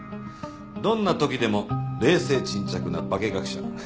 どんな時でも冷静沈着なバケ学者。